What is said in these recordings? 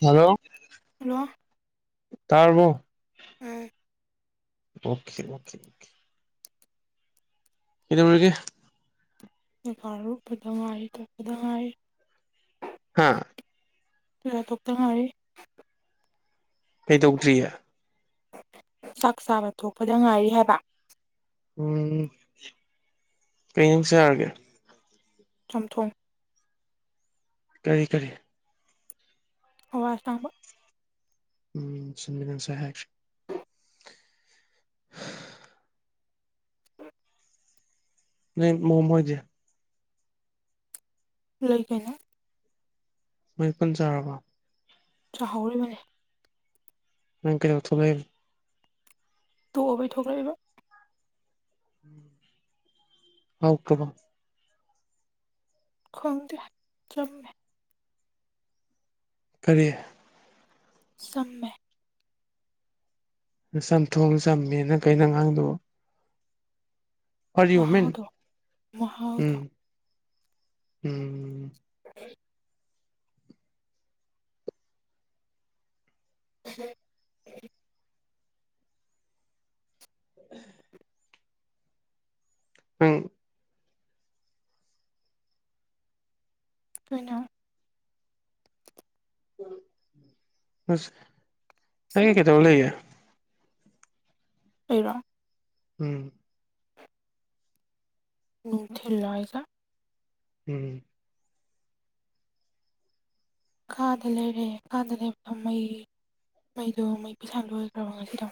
Hello hello ꯇꯥꯔꯕꯣ ꯎꯝ okay okay okay ꯀꯩꯗꯧꯔꯤꯒꯦ [unintelligible] ꯉꯥꯏꯔꯤ [unintelligible] ꯉꯥꯏꯔꯤ ꯍꯥꯥ ꯨꯥ [unintelligible] ꯊꯣꯛꯇ ꯉꯥꯏꯔꯤ ꯀꯩꯗꯧꯗ꯭ꯔꯤꯌꯦ ꯆꯥꯛ ꯆꯥꯕ ꯊꯣꯛꯄꯗ ꯉꯥꯏꯔꯤ ꯍꯥꯏꯕ ꯎꯝ ꯀꯩ [unintelligible] ꯆꯥꯔꯒꯦ ꯆꯝꯊꯣꯡ ꯀꯔꯤ ꯀꯔꯤ ꯍꯋꯥꯏ ꯑꯁꯥꯡꯕ ꯎꯝ ꯆꯨꯝꯃꯦ ꯅꯪ [unintelligible] ꯍꯥꯏꯈ꯭ꯔꯦ [inaudible] ꯅꯣꯏ ꯃꯣꯝ ꯍꯣꯏꯗꯤ ꯂꯩ ꯀꯩꯅꯣ ꯃꯣꯏ ꯄꯨꯟ ꯆꯥꯔꯕꯣ ꯆꯥꯍꯧꯔꯤꯕꯅꯤ ꯅꯪ ꯀꯩꯗꯧ ꯊꯣꯛꯂꯩ ꯇꯣꯛꯑꯕꯩ ꯊꯣꯛꯂꯛꯏꯕ ꯍꯥꯎꯇ꯭ꯔꯕꯣ ꯈꯪꯗꯦ ꯆꯝꯃꯦ ꯀꯔꯤ ꯆꯝꯃꯦ ꯆꯝꯊꯣꯡ ꯆꯝꯃꯦꯅ ꯀꯩꯅꯣ ꯅꯪ ꯉꯥꯡꯏꯗꯨꯕꯨ ꯃꯍꯥꯎꯗꯣ [unintelligible] ꯃꯍꯥꯎꯗꯣ ꯎꯝ ꯎꯝ [unintelligible] [unintelligible] [inaudible] ꯎꯝ ꯀꯩꯅꯣ ꯑꯁ ꯑꯩꯒꯤ ꯀꯩꯗꯧꯔꯥ ꯂꯩꯒꯦ ꯑꯩꯔꯣ ꯎꯝ ꯅꯨꯡꯊꯤꯜꯂꯣ ꯍꯥꯏꯖꯦ ꯎꯝ ꯀꯥꯗ ꯂꯩꯔꯦ ꯀꯥꯗ ꯂꯩꯕ ꯃꯩ ꯃꯩꯗꯣ ꯃꯩ ꯄꯤꯁꯥ ꯂꯣꯏꯈ꯭ꯔꯕ ꯉꯁꯤꯗꯣ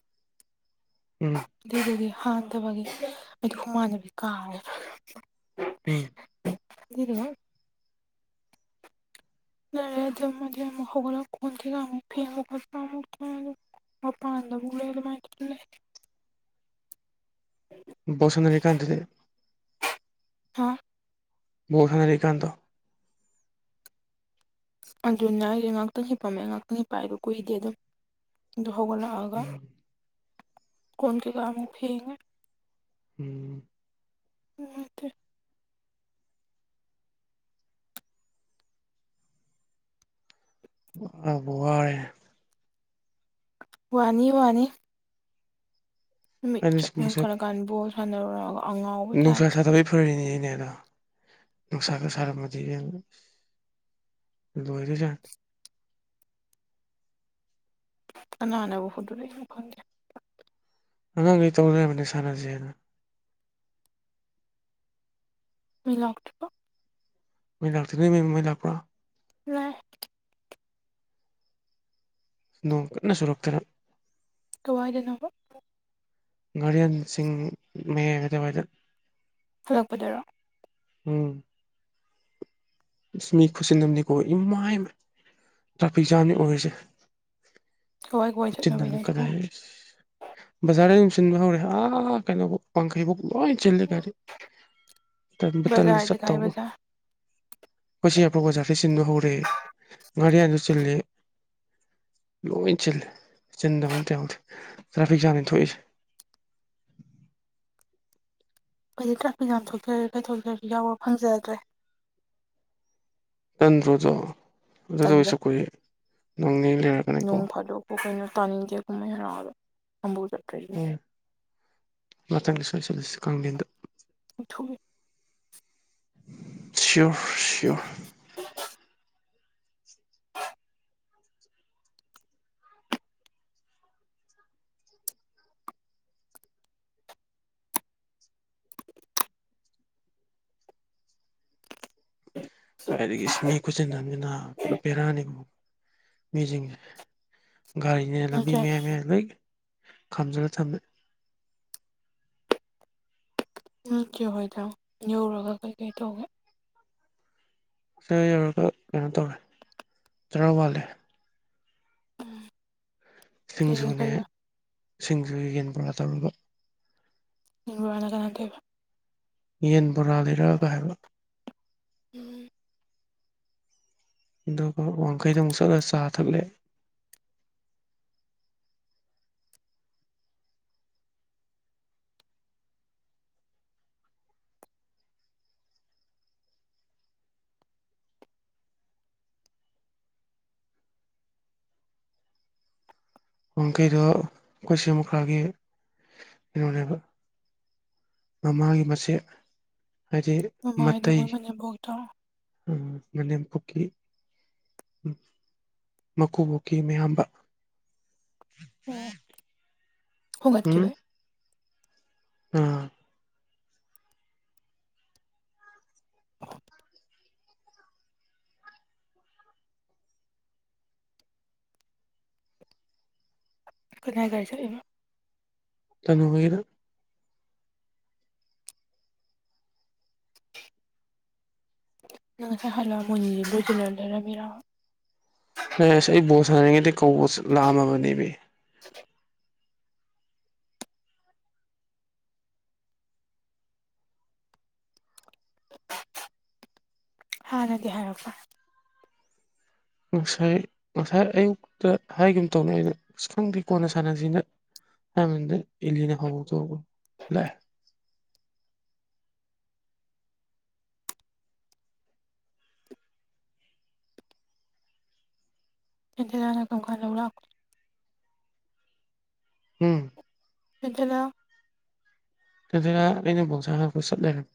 ꯎꯝ ꯑꯗꯨꯗꯨꯒꯤ ꯍꯥꯟꯊꯕꯒꯤ ꯑꯩꯗꯤ ꯍꯨꯃꯥꯡ ꯑꯅꯞꯄꯤ ꯀꯥꯔꯦ ꯎꯝ ꯑꯗꯨꯗꯨꯒ ꯌꯥꯔꯦ ꯊꯝꯃꯒꯦ ꯑꯃꯨꯛ ꯍꯧꯒꯠꯂ ꯀꯣꯟ ꯀꯩꯀꯥ ꯃꯨꯛ ꯐꯦꯡꯕ ꯈꯣꯠꯄ ꯑꯃꯨꯛ ꯇꯧꯔꯅꯤ ꯃꯄꯥꯟ ꯗꯃꯨꯛ ꯂꯩ ꯑꯗꯨꯃꯥꯏ ꯀꯟꯂꯦ [unintelligible] ꯕꯣꯜ ꯁꯥꯟꯅꯔꯤ ꯀꯥꯟꯗꯗꯤ ꯍꯥ ꯕꯣꯜ ꯁꯥꯟꯅꯔꯤ ꯀꯥꯟꯗꯣ ꯑꯗꯨꯅ ꯑꯩꯅ ꯉꯍꯥꯛꯇꯪ ꯍꯤꯄꯝꯃꯦ ꯉꯥꯛꯇꯪ ꯄꯥꯏꯕ ꯀꯨꯏꯗꯦ ꯑꯗꯨꯝ ꯑꯗꯨ ꯍꯧꯒꯠꯂꯛ ꯑꯒ ꯎꯝ ꯀꯣꯟ ꯀꯩ ꯀꯥ ꯑꯃꯨꯛ ꯐꯦꯡꯉꯦ ꯎꯝ ꯅꯨꯡꯉꯥꯏꯇꯦ ꯋꯥꯕꯨ ꯋꯥꯏ ꯋꯥꯅꯤ ꯋꯥꯅꯤ ꯅꯨꯃꯤꯠ ꯑꯩꯗꯤ ꯆꯨꯝꯌꯨꯡ ꯁꯤꯒꯨꯝꯕꯁꯦ ꯈꯠꯂꯀꯥꯟ ꯕꯣꯜ ꯁꯥꯟꯅꯔꯨꯔꯒ ꯑꯉꯥꯎꯕꯩ ꯅꯨꯡꯁꯥ ꯇꯥꯏꯞꯇ ꯁꯥꯗꯕꯒꯤ ꯐꯔꯤꯅꯤꯅꯦ ꯑꯗꯣ ꯅꯨꯡꯁꯥꯒ ꯁꯥꯔꯝꯕꯗꯤ ꯏꯕꯦꯝꯃꯥ ꯂꯣꯏꯔꯥ ꯖꯠꯅꯤ ꯀꯅꯥꯅꯕꯨ ꯍꯧꯗꯣꯔꯛꯏꯅꯣ ꯈꯪꯗꯦ ꯑꯉꯥꯡꯈꯩ ꯇꯧ ꯂꯩꯔꯝꯕꯅꯦ ꯁꯥꯟꯅꯖꯦꯅ ꯃꯩ ꯂꯥꯛꯇ꯭ꯔꯤꯕꯣ ꯃꯩ ꯂꯥꯛꯇ꯭ꯔꯦ ꯅꯣꯏ ꯃꯩ ꯂꯥꯛꯄ꯭ꯔꯣ ꯂꯥꯛꯑ ꯅꯣꯡ ꯀꯟꯅ ꯆꯨꯔꯛꯇꯅ ꯀꯋꯥꯏꯗꯅꯣꯕ ꯉꯥꯔꯤꯌꯥꯟ ꯆꯤꯡꯅꯦ ꯑꯗꯨꯋꯥꯏꯗ ꯍꯜꯂꯛꯄꯗꯔꯣ ꯎꯝ ꯏꯁ ꯃꯤ ꯈꯨꯁꯤꯟꯑꯝꯅꯤꯀꯣ ꯏꯃꯥꯏ ꯃꯥꯏ ꯇ꯭ꯔꯥꯐꯤꯛ ꯖꯥꯝꯅꯤ ꯑꯣꯏꯔꯤꯁꯦ ꯀꯋꯥꯏ ꯀꯋꯥꯏ ꯈꯨꯆꯤꯟ ꯆꯠꯅꯕꯩꯅꯣ ꯑꯝꯅꯤ ꯑꯗꯨꯕꯣ ꯀꯗꯥꯏ ꯕꯖꯥꯔꯗꯩ ꯑꯗꯨꯝ ꯆꯤꯟꯕ ꯍꯧꯔꯦ ꯑꯥ ꯀꯩꯅꯣꯐꯧ ꯄꯡꯈꯩꯐꯧ ꯂꯣꯏ ꯆꯤꯜꯂꯦ ꯒꯥꯔꯤ ꯇꯟꯕꯨ ꯇꯜꯂꯦ ꯕꯖꯥꯔꯗꯤ ꯀꯥꯏ ꯆꯠꯇꯧꯒ ꯕꯖꯥꯔ ꯑꯩꯈꯣꯏꯁꯤ ꯌꯥꯏꯐꯧ ꯕꯖꯥꯔꯁꯨ ꯆꯤꯟꯕ ꯍꯧꯔꯦ ꯍꯥꯔꯤꯌꯥꯟꯁꯨ ꯆꯤꯜꯂꯦ ꯂꯣꯏ ꯆꯤꯜꯂꯦ ꯆꯤꯟꯗꯕ ꯑꯝꯇ ꯌꯧꯗꯦ ꯇ꯭ꯔꯥꯐꯤꯛ ꯖꯥꯝꯅꯤ ꯊꯣꯛꯏꯁꯦ ꯑꯩꯗꯤ ꯇ꯭ꯔꯥꯐꯤꯛ ꯖꯥꯝ ꯊꯣꯛꯆꯔ ꯀꯩꯊꯣꯛꯆꯔꯁꯨ ꯌꯥꯎꯕ ꯐꯪꯖꯗ꯭ꯔꯦ ꯇꯟꯗ꯭ꯔꯣꯗꯣ ꯇꯜꯂꯦ ꯎꯅꯗꯕꯁꯨ ꯀꯨꯏꯔꯦ ꯅꯣꯡꯅꯤꯅꯤ ꯂꯩꯔꯛ ꯅꯣꯡ ꯐꯥꯗꯣꯛꯄꯨ ꯀꯩꯅꯣ ꯇꯥꯅꯤꯡꯗꯦ ꯀꯨꯝꯍꯩ ꯍꯔꯥꯎꯗ ꯑꯝꯕꯨ ꯆꯠꯇꯣꯏꯔꯤꯅꯤ ꯎꯝ ꯃꯊꯪꯗ ꯁꯣꯏ ꯆꯠꯂꯁꯦ ꯀꯥꯡꯂꯦꯟꯗ ꯍꯨꯏꯊꯨꯅꯤ ꯁꯤꯌꯣꯔ ꯁꯤꯌꯣꯔ [inaudible] [inaudible] ꯀꯥꯏꯗꯒꯤ ꯏꯁ ꯃꯤ ꯈꯨꯠꯆꯤꯟ ꯑꯝꯅꯤꯅ ꯄꯨꯔꯥ ꯕꯦꯔꯥꯅꯤꯀꯣ ꯃꯤꯁꯤꯡꯁꯦ ꯒꯥꯔꯤꯅꯦꯅ ꯂꯝꯕꯤ ꯅꯠꯇ꯭ꯔꯦ ꯃꯌꯥꯏ ꯃꯌꯥꯏ ꯂꯣꯏ ꯈꯥꯝꯖꯤꯜꯂꯒ ꯊꯝꯃꯦ ꯅꯣꯏ ꯆꯦ ꯍꯣꯏꯗ ꯌꯧꯔꯒ ꯀꯩꯀꯩ ꯇꯧꯒꯦ ꯁꯤꯗ ꯌꯧꯔꯒ ꯀꯩꯅꯣ ꯇꯧꯋꯦ ꯆꯔꯥ ꯋꯥꯜꯂꯦ ꯀꯩꯒ ꯁꯤꯡꯖꯨꯅꯦ ꯀꯩꯒ ꯁꯤꯡꯖꯨꯒꯤ ꯌꯦꯟ ꯕꯣꯔꯥ ꯇꯧꯔꯒ ꯃꯤꯋꯥꯅꯥ ꯀꯅꯥ ꯇꯧꯔꯤꯕ ꯌꯦꯟ ꯕꯣꯔꯥ ꯂꯩꯔꯛꯑꯒ ꯍꯥꯏꯕ ꯎꯝ ꯑꯗꯨꯒ ꯋꯥꯡꯈꯩꯗ ꯑꯃꯨꯛ ꯆꯠꯂꯒ ꯆꯥ ꯊꯛꯂꯛꯑꯦ ꯋꯥꯡꯈꯩꯗꯣ ꯑꯩꯈꯣꯏ ꯆꯦ ꯃꯨꯈꯥꯒꯤ ꯀꯩꯅꯣꯅꯦꯕ ꯃꯃꯥꯒꯤ ꯃꯆꯦ ꯍꯥꯏꯗꯤ ꯃꯃꯥ ꯍꯥꯏꯗꯤ ꯃꯣꯏ ꯃꯅꯦꯝꯕꯣꯛꯇꯣ ꯎꯝ ꯃꯅꯦꯝꯄꯣꯛꯀꯤ ꯎꯝ ꯃꯀꯨꯕꯣꯛꯀꯤ ꯃꯌꯥꯝꯕ ꯎꯝ ꯍꯣꯡ ꯒꯠꯈꯤꯕꯩ ꯎꯝ [unintelligible] ꯀꯅꯥꯏ ꯒꯔꯤ ꯆꯠꯂꯤꯅꯣ ꯇꯥꯅꯨ ꯍꯣꯏꯒꯤꯗ ꯅꯪ ꯉꯁꯥꯏ ꯍꯜꯂ ꯃꯣꯏ [unintelligible] ꯂꯩꯔꯝꯃꯤꯔ ꯅꯥꯔꯦꯁ ꯑꯩ ꯕꯣꯜ ꯁꯥꯟꯅꯔꯤꯉꯩꯗꯩ ꯀꯧꯕ ꯂꯥꯛ ꯑꯝꯃꯕꯅꯦꯃꯤ ꯍꯥꯟꯅꯗꯤ ꯍꯥꯏꯔꯛꯄ ꯉꯁꯥꯏ ꯉꯁꯥꯏ ꯑꯌꯨꯛꯇ ꯍꯥꯏꯒꯨꯝ ꯇꯧꯅꯦ ꯑꯩꯅ ꯑꯁ ꯈꯪꯗꯦ ꯀꯣꯟꯅ ꯁꯥꯟꯅꯖꯦꯅ ꯍꯥꯏꯃꯤꯟꯗ ꯏꯂꯤꯅ ꯍꯧꯗꯣꯛ ꯂꯥꯛꯑ ꯏꯂꯤꯅꯅ ꯀꯝꯀꯥꯟ ꯂꯧꯂꯥꯛꯄ ꯎꯝ [unintelligible] ꯏꯂꯤꯅ ꯑꯩꯅ ꯕꯣꯜ ꯁꯥꯅ ꯍꯜꯂꯛꯄꯗ ꯆꯠ ꯂꯩꯔꯝꯃꯦ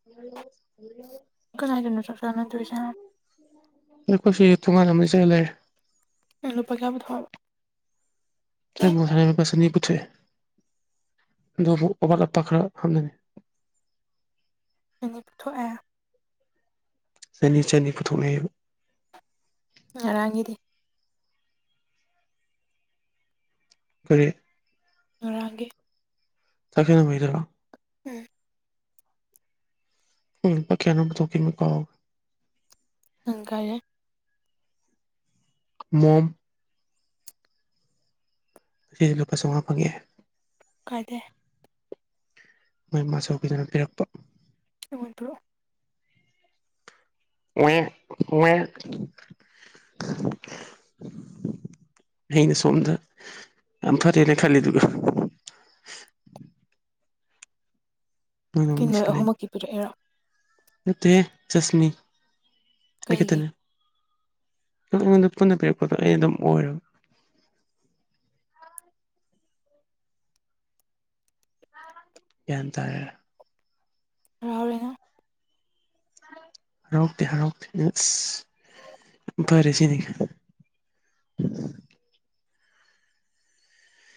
[unintelligible] ꯀꯗꯥꯏꯗꯅꯣ ꯆꯥꯛ ꯆꯥꯅꯗꯣꯏꯁꯦ ꯑꯩꯈꯣꯏꯁꯤ ꯊꯣꯡꯒꯟ ꯑꯃꯅꯤ ꯆꯪꯉꯥ ꯂꯩꯔꯦ ꯅꯪꯅ ꯂꯨꯄꯥ ꯀꯌꯥ ꯄꯨꯊꯣꯛꯑꯕ ꯑꯩ ꯑꯃꯨꯛ ꯉꯁꯥꯏ ꯂꯄꯥ ꯆꯥꯅꯤ ꯄꯨꯊꯣꯛꯑꯦ ꯑꯗꯨꯕꯨꯨ ꯃꯨꯛ ꯑꯋꯥꯠ ꯑꯄꯥ ꯈꯔ ꯈꯪꯒꯅꯤ ꯅꯪꯅ ꯄꯨꯊꯣꯛꯑꯦ ꯆꯥꯅꯤ ꯆꯥꯅꯤ ꯄꯨꯊꯣꯛꯅꯩꯑꯕ ꯉꯔꯥꯡꯒꯤꯗꯤ ꯀꯔꯤ ꯉꯔꯥꯡꯒꯤ ꯆꯥꯛ ꯆꯥꯅꯕꯩꯗꫭ [unintelligible] ꯎꯝ ꯂꯨꯄꯥ ꯀꯌꯥꯅꯣ ꯄꯨꯊꯣꯛꯈꯤꯝꯅꯦ ꯀꯥꯎꯔꯦ [unintelligible] ꯃꯣꯝ ꯑꯦ ꯂꯨꯄꯥ ꯆꯝꯉꯥ ꯐꯪꯉꯛꯑꯦ ꯀꯥꯏꯗꯩ ꯃꯣꯏ ꯃꯥꯆꯧꯕꯤꯗꯨꯅ ꯄꯤꯔꯛꯄ ꯅꯉꫭꯟꯗꯔꫭ ꯋꯦ ꯋꯦ [unintelligible] ꯑꯩꯅ ꯁꯣꯝꯗ ꯌꯥꯝ ꯐꯔꯦꯅ ꯈꯜꯂꯤꯗꯨꯒ ꯅꯣꯏꯅ ꯑꯃꯨꯛ ꯀꯩꯅꯣ ꯅꯣꯏ ꯅꯤꯡꯁꯤꯡꯂꯛꯏ ꯑꯍꯨꯝꯃꯛꯀꯤ ꯄꯤꯔꯛꯏꯔꯣ ꯅꯠꯇꯦꯍꯦ ꯖꯁꯃꯤ ꯑꯩ ꯀꯩꯒꯤ ꯈꯛꯇꯅꯤ ꯑꯩꯉꯣꯟꯗ ꯄꯨꯟꯅ ꯄꯤꯔꯛꯄꯗꯣ ꯑꯩꯅ‌ ꯑꯗꯨꯝ ꯑꯣꯏꯔꯕ ꯒ꯭ꯌꯥꯟ ꯇꯥꯔꯦ ꯍꯔꯥꯎꯔꯦ ꯅꯪ ꯍꯔꯥꯎꯇꯦ ꯍꯔꯥꯎꯇꯦ [unintelligible] ꯑꯁ ꯐꯔꯦ ꯁꯤꯗꯤ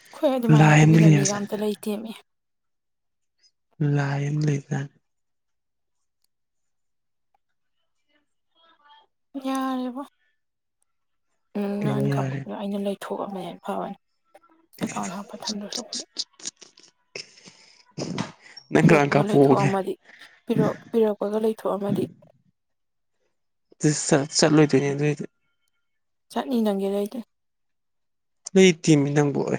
ꯑꯈꯣꯏ ꯑꯗꯨꯃꯥꯏꯅ ꯂꯥꯏ ꯑꯃꯗꯤ ꯄꯤꯕꯤꯅꯕ ꯃꯤꯒ ꯂꯩꯕꯖꯦ ꯑꯝ ꯂꯩꯇꯦꯃꯤ ꯂꯥꯏ ꯑꯝ ꯂꯩꯗꯅ ꯌꯥꯔꯦꯕꯣ ꯀꯩꯅꯣ [unintelligible] ꯌꯥꯔꯦ ꯀꯥꯞꯄꯛꯄꯗꫭ ꯑꯩꯅ [unintelligible] ꯊꯣꯛꯑꯝꯃꯦ ꯍꯦꯛ ꯐꯕꯅꯤ ꯑꯦꯀꯥꯎꯟ ꯍꯥꯞꯄ ꯊꯝꯗꯣꯏ ꯁꯔꯨꯛꯄꯨꯗꯤ [unintelligible] ꯄꯤꯔꯛꯄꯒ ꯀꯥꯞꯄꯣꯛꯑꯒꯦ ꯂꯩꯊꯣꯛꯑꯝꯃꯗꯤ ꯄꯤꯔꯣ ꯄꯤꯔꯛꯄꯒ ꯂꯩꯊꯣꯛꯑꯝꯃꯗꯤ ꯗꯤꯁ ꯆꯥ ꯆꯠꯂꯣꯏꯗꯣꯏꯅꯦ ꯑꯗꯨꯏꯗꯤ ꯆꯠꯅꯤ ꯅꯪꯒꯤ ꯂꯩꯇꯦ ꯂꯩꯇꯦꯃꯤ ꯅꯪꯕꫭ ꯑꯦ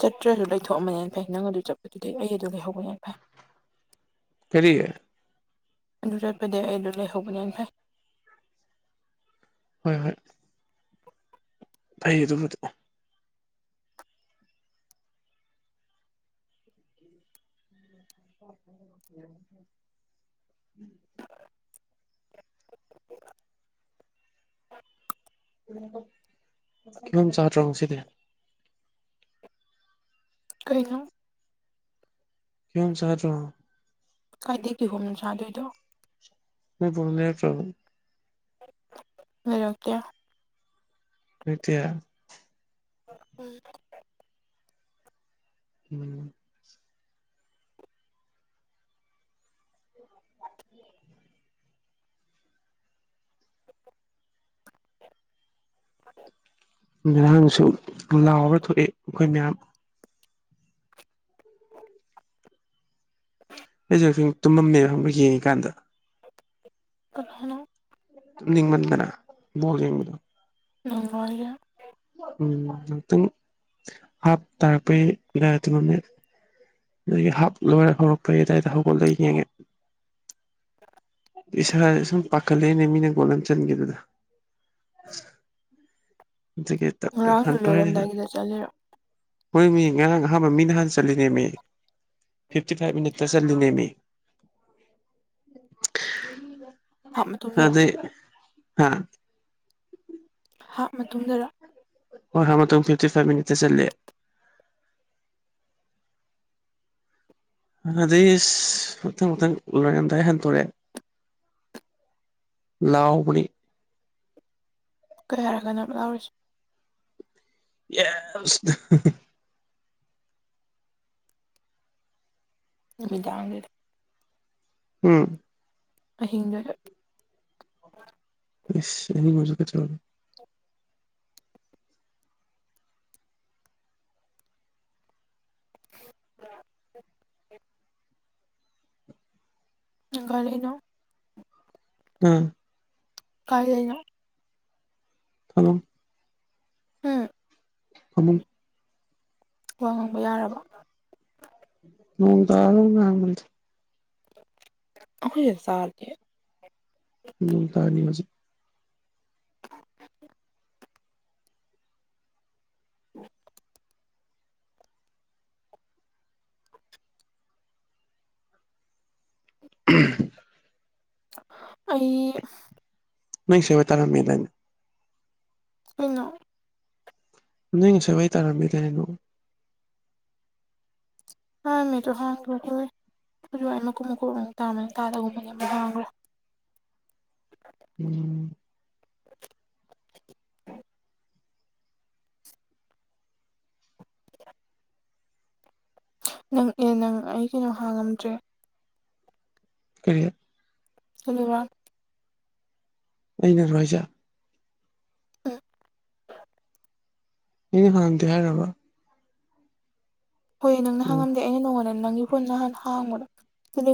ꯆꯠꯇ꯭ꯔꯖꯨ ꯂꯩꯊꯣꯛꯑꯝꯕꯅ ꯍꯦꯟꯅ ꯐꯩ ꯅꯪ ꯑꯗꯨ ꯆꯠꯄꯗꯨꯗꯤ ꯑꯩ ꯑꯗꯨ ꯂꯩꯍꯧꯕꯅ ꯍꯦꯟ ꯐꯩ ꯀꯔꯤ ꯑꯗꯨ ꯆꯠꯄꯗꯩ ꯑꯩ ꯑꯗꯨ ꯂꯩꯍꯧꯕꯅ ꯍꯦꯟ ꯐꯩ ꯍꯣꯏ ꯍꯣꯏ ꯐꯩ ꯑꯗꯨꯕꯨꯗꯤ [inaudible] [unintelligible] [unintelligible] ꯀꯤꯍꯣꯝ ꯆꯥꯗ꯭ꯔꯣ ꯉꯁꯤꯗꯤ ꯀꯩꯅꯣ ꯀꯤꯍꫭꯝ ꯆꯥꯗ꯭ꯔꯣ ꯀꯥꯏꯗꯩ ꯀꯤꯍꯣꯝꯅꯣ ꯆꯥꯗꯣꯏꯗꯣ ꯅꯣꯏ ꯕꯣꯛꯅ ꯂꯩꯔꯛꯇ꯭ꯔꯕꯣ [unintelligible] ꯂꯩꯔꯛꯇꯦ ꯂꯩꯔꯛꯇꯤꯌꯦ [unintelligible] ꯎꯝ ꯎꯝ [unintelligible] ꯉꯔꯥꯡꯁꯨ ꯂꯥꯎꯔ ꯊꯣꯛꯑꯦ ꯑꯈꯣꯏ ꯃꯌꯥꯝ ꯑꯩꯖꯦ ꯉꯛꯇꯪ ꯇꯨꯝꯃꯝꯃꯦꯕ ꯈꯪꯕ ꯌꯦꯡꯉꯤꯀꯥꯟꯗ ꯀꯅꯥꯅꯣ ꯇꯨꯝꯅꯤꯡꯃꯟꯗꯅ ꯕꯣꯜ ꯌꯦꯡꯕꯗꯣ ꯅꯪꯂꫭ ꯍꯥꯏꯁꯦ ꯎꯝ ꯉꯛꯇꯪ ꯍꯞꯇꯔꯛꯄꯩ ꯑꯗꯥꯏ ꯇꯨꯝꯃꯝꯃꯦ ꯑꯗꯨꯒꯤ ꯍꯞ ꯂꯣꯏꯔ ꯍꯧꯔꯛꯄꯩ ꯑꯗꯥꯏꯗ ꯍꯧꯒꯠꯂꯦ ꯌꯦꯡꯉꯦ [unintelligible] ꯏꯁꯥꯖꯦ ꯁꯨꯝ ꯄꯈꯠꯂꯛꯑꯦꯅꯦ ꯃꯤꯅ ꯒꯣꯜ ꯑꯃ ꯆꯟꯒꯤꯕꯗꯣ ꯗꯨꯒꯤ ꯇꯞꯄ ꯉꯔꯥꯡꯁꯨ ꯍꯟꯇꯣꯍꯦ ꯂꯣꯏꯔꯝꯗꯥꯏꯒꯤꯗ ꯆꯠꯂꯤꯔꯣ ꯍꯣꯏꯃꯤ ꯉꯔꯥꯡ ꯑꯍꯥꯟꯕ ꯃꯤꯅꯍꯟꯅ ꯆꯜꯂꯤꯅꯦꯃꯤ ꯐꯤꯞꯇꯤ ꯐꯥꯏꯚ ꯃꯤꯅꯠꯇ ꯆꯜꯂꯤꯅꯦꯃꯤ [inaudible] ꯀꯥꯅꯗ ꯃꯇꯨꯡꯗꯔ ꯑꯗꯩ ꯍꯥ ꯍꯥꯞ ꯃꯇꯨꯡꯗꯔꯥ ꯍꯣꯏ ꯍꯥꯞ ꯃꯇꯨꯡ ꯐꯤꯞꯇꯤ ꯐꯥꯏꯞ ꯃꯤꯅꯤꯠꯇ ꯆꯜꯂꯦ ꯑꯗꯩ ꯑꯁ ꯃꯊꯪ ꯃꯊꯪ ꯂꯣꯏꯔꯝꯗꯥꯏ ꯍꯟꯗꯣꯔꯛꯑꯦ ꯂꯥꯎꯕꯅꯤ ꯀꯌꯥꯔꯛ ꯀꯟꯅꯥ ꯂꯧꯔꯤꯁꯤ ꯌꯦꯁ ꯅꯨꯃꯤꯗꯥꯥꯡꯗꯨꯗ ꯍꯨꯝ ꯑꯍꯤꯡꯗꯨꯗ ꯑꯁ ꯑꯍꯤꯡ ꯑꯣꯏꯔꯁꯨ ꯀꯩꯗꯧꯔꯒꯦ [unintelligible] ꯅꯪ ꯀꯔꯤꯅꯣ ꯑꯥ ꯀꯥꯏ ꯂꯩꯩꯅꯣ ꯐꯃꯨꯡ ꯎꯝ ꯐꯃꯨꯡ ꯋꯥ ꯉꯥꯡꯕ ꯌꯥꯔꯕꯣ ꯅꯣꯡ ꯇꯥꯕꯗꯨꯝ ꯉꯥꯡꯕꯅꯤꯗ ꯑꯩꯈꯣꯏꯗ ꯆꯥꯗꯦ ꯅꯣꯡꯇꯅꯤ ꯍꯧꯖꯤꯛ [inaudible] [inaudible] ꯑꯩ ꯅꯣꯏ ꯆꯦ ꯍꯣꯏ ꯇꯥꯔꯝꯃꯦꯗꯥꯏꯅꯦ ꯀꯩꯅꯣ ꯅꯣꯏ ꯉꯁꯥꯏ ꯋꯥꯏ ꯇꯥꯔꯝꯃꯦ ꯗꯥꯏꯅꯦ ꯅꯣꯡ ꯇꯥꯔꯝꯃꯦ ꯑꯗꫭ ꯍꯥꯡꯈ꯭ꯔꯦ ꯑꯈꫭꯏ ꯑꯗꯨꯋꯥꯏ ꯃꯀꯨꯞ ꯃꯀꯨꯞ ꯑꯃꯨꯛ ꯇꯥꯔꯝꯕꯅꯦ ꯇꯥꯗꯒꯨꯝꯕꯅꯦ ꯑꯃꯨꯛ ꯍꯥꯡꯒ꯭ꯔꯦ ꯎꯝ꯫ ꯅꯪ ꯑꯦ ꯅꯪ ꯑꯩ ꯀꯩꯅꯣ ꯍꯥꯡꯉꯝꯗ꯭ꯔꯦ ꯀꯔꯤ [unintelligible] ꯑꯩꯅꯔꯣ ꯍꯥꯏꯖꯦ [unintelligible] ꯏꯅꯦ ꯍꯥꯡꯗꯦ ꯍꯥꯏꯔꯥꯕ ꯍꯣꯏ ꯅꯪꯅ ꯑꯣ ꯍꯥꯡꯉꯝꯗꯦ ꯑꯩꯅ ꯅꯪꯉꯣꯟꯗ ꯅꯪꯒꯤ ꯐꯨꯟ ꯍꯥꯟꯅ ꯍꯥꯡꯕꯗꯣ ꯗꯦꯂꯤꯚꯔ